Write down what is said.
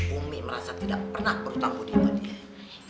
umi merasa tidak pernah bertanggung jawab